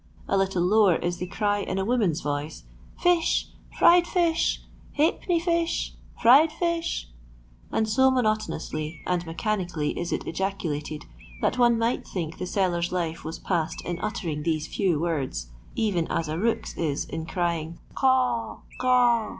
A little lower is the cry, in a woman's voice, " Fish, fried fish ! Ha'penny ; fish, fried fish !" and so monotonously and me chanically is it ejaculated that one might think the seller's life was passed in uttering these few words, even as a nx^'s is in crying " Caw, caw."